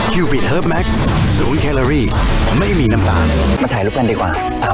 เฮิร์ฟแม็กซ์สูงแคลอรี่ไม่มีน้ำตาลมาถ่ายรูปกันดีกว่า๓คนค่ะ